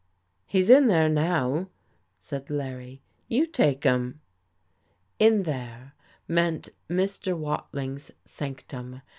"He's in there now;" said Larry. "You take 'em." "In there" meant Mr. Watling's sanctum.